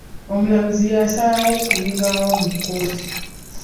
Omulamuzi y'asalawo ku kibaawo mu kkooti.